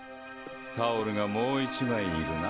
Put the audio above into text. タオルがもう１枚いるな。